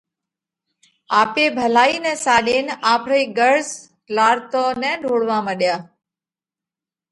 آپي ڀلائِي نئہ ساڏينَ آپرِي غرض لار تو نه ڍوڙوا مڏيا؟